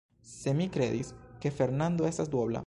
Sed mi kredis, ke Fernando estas duobla.